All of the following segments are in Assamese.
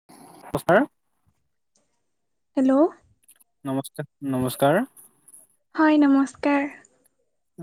[unintelligible] হেল্ল' নমস্কাৰ, নমস্কাৰ। হয়, নমস্কাৰ।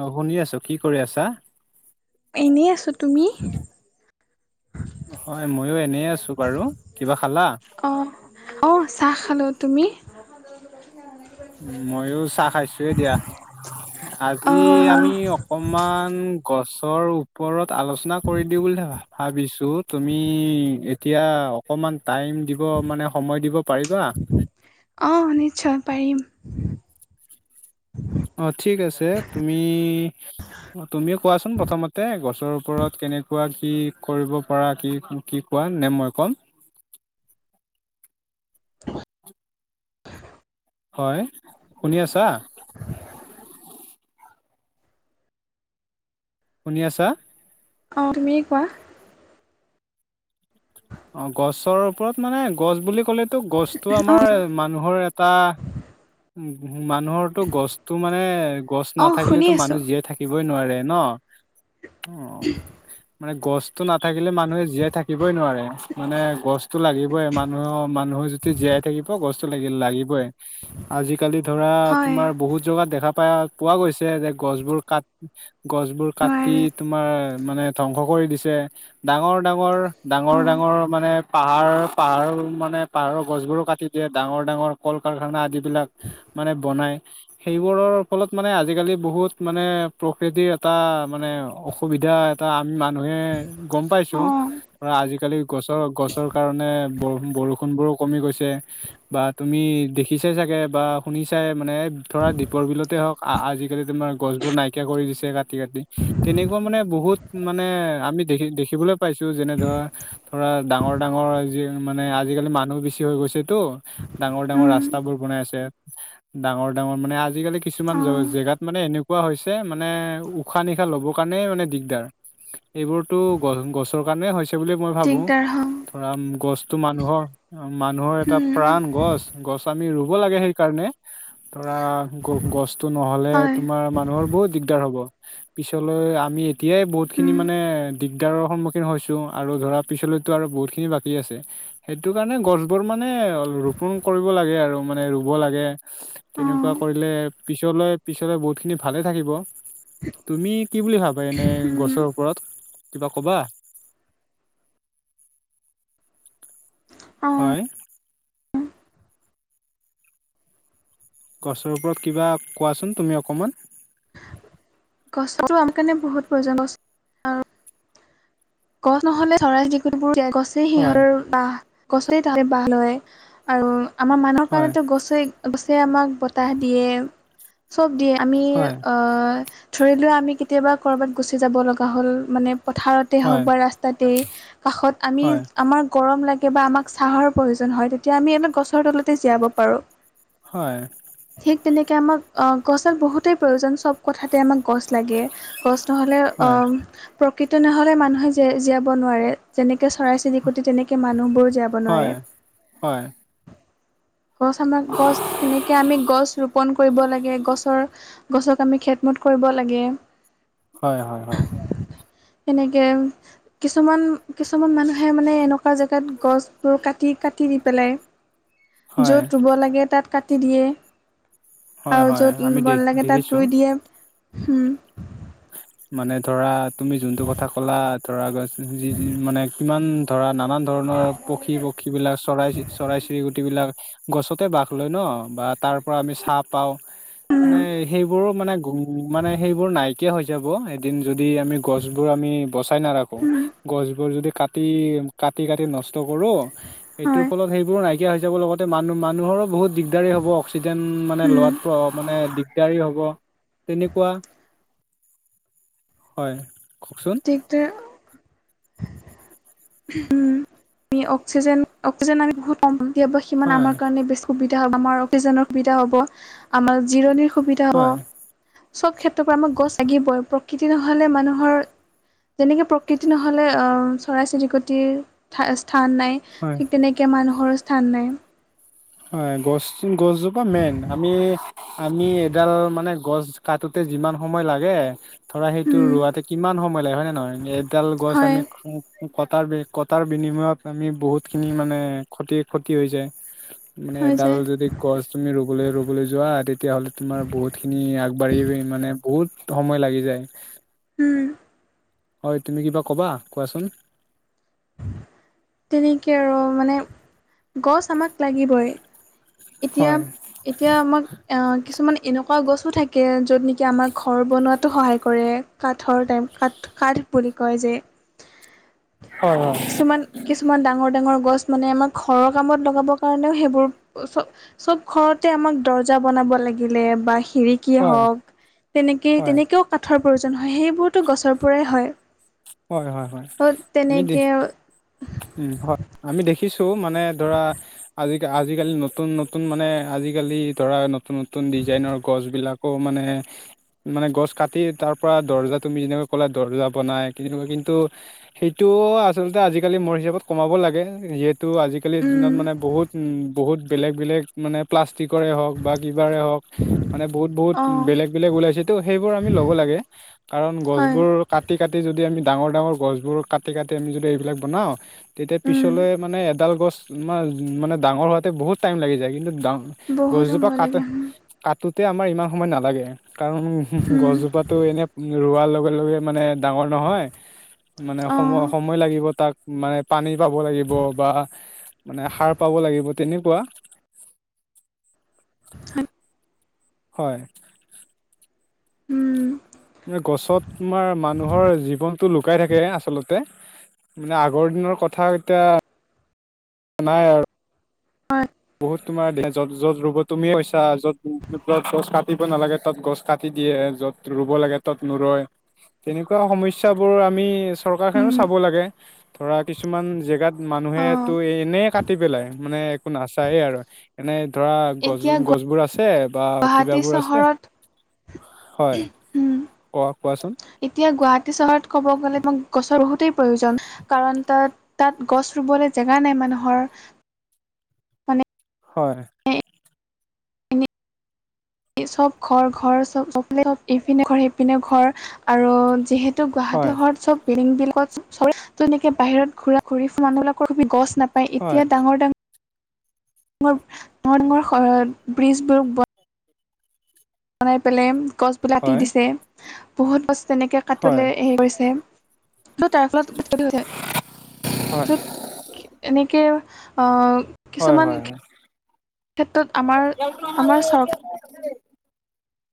অ' শুনি আছোঁ, কি কৰি আছা? এনেই আছোঁ, তুমি? হয়, মইও এনেই আছোঁ বাৰু। কিবা খালা? অ' অহ চাহ খালো, তুমি? উ, ময়ো চাহ খাইছোৱে দিয়া। আজি অঁ আমি অকমান গছৰ ওপৰত আলোচনা কৰি দিও বুলি ভা ভাবিছোঁ তুমি এতিয়া অকমান টাইম দিব মানে সময় দিব পাৰিবা? অ' নিশ্চয় পাৰিম। অ' ঠিক আছে। তুমি অ' তুমিয়ে কোৱাচোন প্ৰথমতে গছৰ ওপৰত কেনেকুৱা কি কৰিব পাৰা কি কি কোৱা নে মই ক'ম? হয়, শুনি আছা? [inaudible] শুনি আছা? অ' তুমিয়ে কোৱা। অ' গছৰ ওপৰত মানে গছ বুলি ক'লেতো গছটো অঁ আমাৰ মানুহৰ এটা উ-উ মানুহৰটো গছটো মানে গছ অঁ শুনি নাথাকিলেতো মানুহ আছোঁ জীয়াই থা কিবই নোৱাৰে ন, অ' মানে গছটো নাথাকিলে মানুহে জীয়াই থাক কিবই নোৱাৰে মানে গছতো লাগি বই মানুহৰ, মানুহৰ যদি জীয়াই থাকিব গছটো লাগিল-লাগিবই। আজি-কালি ধৰা হয় তোমাৰ বহুত জগাত দেখা পা-পোৱা গৈছে যে গছবোৰ কাট গছবোৰ কাটি নোৱাৰে তোমাৰ মানে ধ্বংস কৰি দিছে। ডাঙৰ ডাঙৰ, ডাঙৰ অঁ ডাঙৰ মানে পাহাৰ পাহাৰ মানে পাহাৰৰ গছবোৰো কাটি দিয়ে, ডাঙৰ ডাঙৰ কল-কাৰখানা আদিবিলাক মানে বনায়। সেইবোৰৰ ফলত মানে আজি-কালি বহুত মানে প্ৰকৃতিৰ এটা মানে অসুবিধা এ এটা আমি মানুহে গম পাইছোঁ। অঁ ধৰা আজি-কালি গছৰ গছৰ কাৰণে বৰ-বৰষুণবোৰো কমি গৈছে। বা তুমি দেখিছ ছাই চাগে বা শুনিছাই মানে ধৰা দীপৰ বিলতে হওঁক আ-আজি-কালি তোমাৰ গছবোৰ নাইকিয়া কৰি দিছে কা কাটি কাটি। তেনেকুৱা মানে বহুত মানে আমি দেখি দেখিবলৈ পাইছো যেনে ধৰা ধৰা ডাঙৰ ডাঙৰ আজি মানে আজি-কালি মানুহ বেছি হৈ গৈছেতো। ডাঙৰ ডাঙৰ উম ৰাস্তাবোৰ বনাই আছে, ডাঙৰ ডাঙৰ মানে আজি-কালি কিছুমান অঁ জ-জেগাত মানে এনে কুৱা হৈছে মানে উশাহ-নিশাহ ল'বৰ কাৰণেই মানে দিগদাৰ। এইবোৰতো গছ গছৰ কাৰনে হৈছ সেই বুলি মই ভাবোঁ, দিগদাৰ হ ধৰা গছটো মানুহৰ মানুহৰ এটা প্ৰাণ গছ। গছ আমি ৰুব লাগে সেইকাৰণে। ধৰা গ-গছটো নহ'লে হয় তোমাৰ মানুহৰ বহুত দিগদাৰ হ'ব। পিছলৈ আমি এতিয়াই বহুতখিনি উম মানে দিগদাৰৰ সন্মুখীন হৈছোঁ আৰু ধৰাক পিছলৈ টোৰ আৰু বহুত খিনি বাকি আছে। সেইটো কাৰণে গছবোৰ মানে ৰোপন কৰিব কৰিব লাগে আৰু মানে ৰুব লাগে। তেনেকুৱা অঁ কৰিলে পিছলৈ পিছলৈ বহুতখিনি ভালে থাকিব। তুমি কি বুলি ভাবা এনে উম গছৰ ওপৰত কিবা কবা? হয় আহ গছৰ ওপৰত কিবা কোৱাচোন তুমি অকণমান। গছতো আমাৰ কাৰণে বহুত প্ৰয়োজন। গছ গছ নহ'লে চৰাই চিৰিকটি বোৰ গছেই হয়, সিহঁতৰ বাহ গছে তাতে বাহ লয়। আৰু আমাৰ মানুহৰ হয়, কাৰণেতো গছে গছে আমাক বতাহ দিয়ে। চ'ব দিয়ে। আমি হয়, আহ ধৰি লোৱা আমি কেতিয়াবা ক'ৰবাত গুচি যাব লগা হ'ল মানে পথাৰতেই হওঁক হয়, বা ৰাস্তাতেই কাষত আমি হয়, আমাক গৰম লাগে বা আমাক চাহৰ প্ৰয়োজন হয়। তেতিয়া আমি আমাক গছৰ তলতে জীয়াব পাৰোঁ। হয়। ঠিক তেনেকৈ আমাক গছক বহুতেই প্ৰয়োজন চ'ব কথাতে আমাক গছ লাগে, গছ নহ'লে হয়, অ' প্ৰকৃত নহ'লে মানুহে জী জীয়াব নোৱাৰে যেনেকে চৰাই চিৰিকুটি তেনেকে মানুহবোৰ জীয়াব হয়, নোৱাৰে। হয়, গছ আমাৰ গছ সেনেকে আমি গছ ৰোপন কৰিব লাগে। গছৰ গছক আমি খেতমুঠ কৰিব লাগে। হয়, হয়, হয়। সেনেকে কিছুমান কিছুমান মানুহে মানে এনেকুৱা জেগাত গছবোৰ কাটি কাটি দি পেলাই। হয়, য'ত ৰুব লাগে তাত কাটি দিয়ে। হয়, আৰু হয়, য'ত আমি ৰুব দে নালাগে। তাত দেখিছো ৰুই দিয়ে উম। মানে ধৰা তুমি যোনটো কথা ক'লা ধৰা গছ যি যি মানে কিমান ধৰা নানান ধৰণৰ পক্ষী পক্ষীবিলাক চৰাই চ চৰাই চিৰিকুটিবিলাক গছতে বাস লয় ন বা তাৰ পৰা আমি চাৰহ পাওঁ। মানে সেইবোৰো মানে গ মানে সেইবোৰ নাইকিয়া হৈ যাব। এদিন যদি আমি গছবোৰ আমি বচাই নাৰাখোঁ। উম, গছবোৰ যদি কাটি কাটি, কাটি, কাটি নষ্ট কৰোঁ। এইটোৰ হয়। ফলত সেইবোৰ নাইকিয়া হৈ যাব লগতে মানুহ মানুহৰো বহুত দিগদাৰী হ'ব অক্সিজেন মানে উম। লোৱাত মানে দিগ দিগদাৰি হ'ব। তেনেকুৱা হয়, কওঁকচোন? দিগদাৰ উম, অক্সিজেন অক্সিজেন আমি বহুত [unintelligible] সিমান হয় আমাৰ কাৰণ বে সুবিধা হ'ব আমাৰ অকেইজন সুবিধা হ'ব। আমাৰ জিৰণি সুবিধা হ'ব, হয় চ'ব ক্ষেত্ৰৰ পৰা আমাৰ গছ লাগিবই। প্ৰকৃতি নহ'লে মানুহৰ যেনেকৈ প্ৰকৃতি নহ'লে চৰাই চিৰিকটিৰ স্থা স্থান নাই। হয়। ঠিক তেনেকৈ মানুহৰো স্থান নাই। হয়, গছ গছজোপা মেইন। আমি আমি এডাল মানে গছ কাটোতে যিমান সময় লাগে। ধৰা সেইটো উম, ৰোৱাতে কিমান সময় লাগে হয়ে নে নহয় এডাল গছ হয় আমি খ কটাৰ কটাৰ বিনিময়ত আমি বহুতখিনি মানে ক্ষতি ক্ষতি হৈ যায় মানে হৈ এডাল যায় যদি গছ তুমি ৰুবলৈ ৰুবলৈ যোৱা তেতিয়াহলে তোমাৰ বহুত খিনি আগবাঢ়ি মানে বহুত সময় লাগি যায় উম হয় তুমি কিবা ক'বা কোৱাচোন তেনেকে আৰু মানে গছ আমাক লাগিবই এতিয়া হয় এতিয়া আমাক অ কিছুমান এনেকুৱা গছো থাকে য'ত নেকি আমাক ঘৰ বনোৱোটো সহায় কৰে কাট কাঠৰ টাইম কাঠ কাঠ বুলি কয় যে হয়, হয়, হয় কিছুমান কিছুমান ডাঙৰ ডাঙৰ গছ মানে আমাৰ ঘৰৰ কামত লগাবৰ কাৰণেও সেইবোৰ চব চব ঘৰতে আমাক দৰ্জা বনাব লাগিলে বা খিৰি কিয়ে হয় হয় হওক তেনেকেই হয় তেনেকৈও কাঠৰ প্ৰয়োজন হয় সেইবোৰতো গছৰ পৰাই হয় হয় হয় হয় যদি তেনেকে উম হয় আমি দেখিছো মানে ধৰা আজি আজিকালি নতুন নতুন মানে আজিকালি ধৰা নতুন নতুন ডিজাইনৰ গছ বিলাক আকৌ মানে মানে গছ কাটি তাৰ পৰা দৰ্জা তুমি যেনেকৈ কলা দৰ্জা বনাই সেনেকুৱা কিন্তু সেইটো আচলতে আজিকালি মোৰ হিচাপত কমাব লাগে যিহেতু তো আজিকালিৰ উম দিনত মানে বহুত বহুত বেলেগ বেলেগ মানে প্লাষ্টিকৰে হওক বা কিবাৰে হওক মানে বহুত বহুত অ বেলেগ বেলেগ ওলাইছে ত' সেইবোৰ আমি ল'ব লাগে কাৰণ হয় গছবোৰ কাটি কাটি যদি আমি ডাঙৰ ডাঙৰ গছবোৰ কাটি কাটি আমি যদি এইবিলাক বনাওঁ তেতিয়া উম পিছলৈ মানে এডাল গছ মাৰ মানে ডাঙৰ হোৱাতে বহুত টাইম লাগি যায় কিন্তু ডাঙ বহুত গছজোপা সময় কাটে লাগে কাটোতে আমাৰ ইমান সময় নালাগে কাৰণ উম গছজোপাত তটো এনে ৰোৱাৰ লগে লগে মানে ডাঙৰ নহয় মানে অ সময় সময় লাগিব তাক মানে পানী পাব লাগিব বা মানে সাৰ পাব লাগিব তেনেকুৱা হয় হয় উম গছত তোমাৰ মানুহৰ জীৱনতটো লুকাই থাকে আচলতে মানে আগৰ দিনৰ কথা এতিয়া নাই আৰু হয় বহুত তোমাৰ দে যত য'ত ৰুব তুমি কৈছা য'ত য'ত গছ কাটিব নালাগে তত গছ কাটি দিয়ে য'ত ৰুব লাগে তাত নুৰয় তেনেকুৱা সমস্যাবোৰ আমি উম চৰকাৰখনেও চাব লাগে ধৰা কিছুমান জেগাত অ মানুহেটো এনেই কাটি পেলাই মানে একো নাচায়ে আৰু এনেই ধৰা গছ এতিয়া গছবোৰ আছে বা গুৱাহাটী কিবাবোৰ আছে চহৰত হয় উম ক কোৱাচোন এতিয়া গুৱাহাটী চহৰত ক'ব গ'লে মোক গছৰ বহুতেই প্ৰয়োজন কাৰণ তাত তাত গছ ৰুবলৈ জেগা নাই মানুহৰ মানে হয় এনে চব ঘৰ ঘৰ চব চব চব ইপিনে ঘৰ সেইপিনে ঘৰ আৰু যিহেতু হয় গুৱাহাটীৰ ঘৰত চব বিল্ডিঙৰ চপ তেনেকে বাহিৰত ঘূৰা ঘূৰি ফুৰা মানুহ বিলাকৰ গছ নাপ হয় এতিয়া ডাঙৰ, ডাঙৰ, ডাঙৰ, ডাঙৰ ব্ৰীজবোৰ ব্ বনাই পেলাই গছবিলাক কাটি হয় দিছে। বহুত গছ তেনেকে কাটি হয় লৈ হেৰি কৰিছে। ত' তাৰ ফলত [unintelligible] হয় ত'ত এনেকে হয় কিছুমান হয় ক্ষেত্ৰত আমাৰ, আমাৰ চৰকাৰ [unintelligible]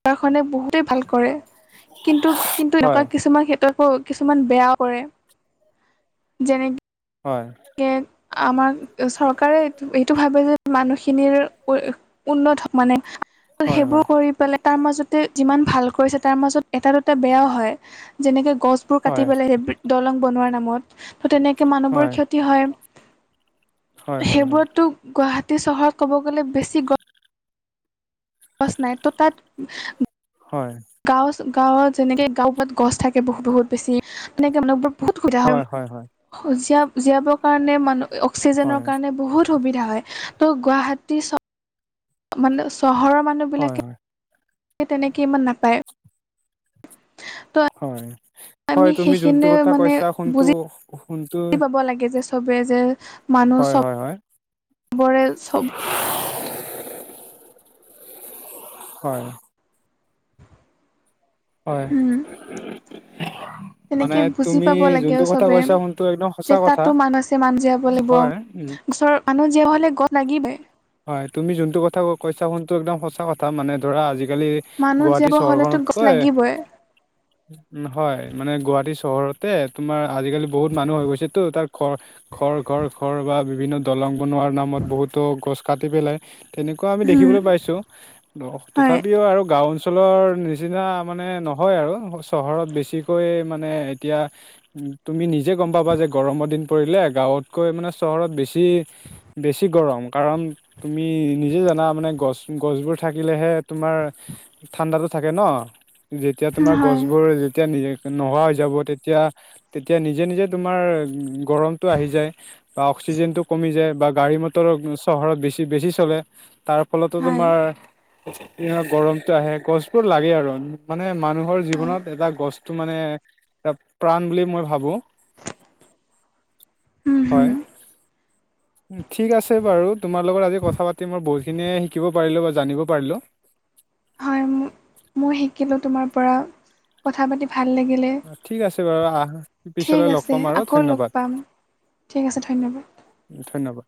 চৰকাৰখনে বহুতেই ভাল কৰে। কিন্তু, কিন্তু এনেকুৱা হয় কিছুমান ক্ষেত্ৰত কিছুমান বেয়া কৰে। যেনে হয়। আমাৰ চৰকাৰে এইটো ভাবে যে মানুহখিনিৰ উ-উন্নত মানে হয় হয় সেইবোৰ হয় কৰি পেলাই তাৰ মাজতে যিমান ভাল কৰিছে তাৰ মাজত এটা দুটা বেয়াও হয়। যেনেকৈ গছবোৰ কাটি হয় পেলাই সেই দলং বনোৱাৰ নামত ত' তেনেকে মানুহবোৰৰ ক্ষ হয়। হয় হয় হয় হয় সেইবোৰ ত' গুৱাহাটী চহৰত ক'ব গ'লে বেছি গ গছ নাই তো তাত হয়। গাঁও গাঁৱত যেনেক গাঁওত গছ থাকে বহুত, বহুত বেছি। তেনেকে মানুহবোৰ বহুত স-সুবিধা হয়। জীয়া-জীয়াবৰ কাৰণে মানু অক্সিজেনৰ হয় কাৰণে বহুত সুবিধা হয়। ত' গুৱাহাটী চ' মানে চহৰৰ মানুহ হয় বিলাকে সে তেনেকে ইমান নাপায়। ত' হয়, হয় আমি তুমি যোনটো সেইখিনি কথা কৈছা সোনটো, সোনটো ব' লাগে যে চবে যে মানুহ হয় হয় হয় চবৰে চব হয়। হয়। উম মানে তেনেকে বুজি তুমি পাব লাগে যোনটো অ' কথা চবে কৈছা সোনটো একদম সঁচা যে কথা তাতো মানুহ আছে [unintelligible] জীয়াব লাগিব। হয় উম, ওচৰৰ মানুহ জীয়াব হলে গ' লাগিবই। হয় তুমি যোনটো কথা ক-কৈছা ফোনটো একদম সঁচা কথা মানে ধৰা আজিকালি মানুহ গুৱাহাটী জীয়াব হলেতো গছ চহৰখনতকৈ লাগিবই উম হয় মানে গুৱাহাটী চহৰতে তোমাৰ আজিকালি বহুত মানুহ হৈ গৈছেতো তাৰ ঘৰ খৰ ঘৰ খৰ বা বিভিন্ন দলং বনোৱাৰ নামত বহুতো গছ কাটি পেলাই। তেনেকুৱা আমি উম দেখিবলৈ পাইছো হয় তথাপিও আৰু গাওঁ অঞ্চল অঞ্চলৰ নিচিনা মানে নহয় আৰু, চহৰত বেছিকৈ মানে এতিয়া তুমি নিজে গম পাবা যে গৰমৰ দিন পৰিলে গাঁৱতকৈ মানে চহৰত বেছি বেছি গৰম কাৰণ তুমি নিজে জানা মানে গছ-গছবোৰ থাকিলেহে তোমাৰ ঠাণ্ডাতো থাকে ন', যেতিয়া তোমাৰ হয় গছবোৰ যেতিয়া নিজে নোহোৱা হৈ যাব তেতিয়া, তেতিয়া নিজে, নিজে তোমাৰ উ গৰমতটো আহি যায় বা অক্সিজেন টো কমি যায় বা গাড়ী মটৰ চহৰত বেছি বেছি চলে। তাৰ ফলতো হয় তোমাৰ গৰমতটো আহে গছ বোৰ লাগে আৰু, মানে মানুহৰ হয় জীৱনত এটা গছটো মানে এটা প্ৰাণ বুলি মই ভাবো। উম হয়। হুম ঠিক আছে বাৰু তোমাৰ লগত আজি কথা পাতি মই বহুতখিনিয়ে শিকিব পাৰিলো বা জানিব পাৰিলো। হয়। মই শিকিলো তোমাৰ পৰা। কথা পাতি ভাল লাগিলে, ঠিক আছে বাৰু আহ পিছলৈ ঠিক লগ পাম আছে আৰু আকৌ লগ ধন্যবাদ পাম ঠিক আছে ধন্যবাদ। ধন্যবাদ।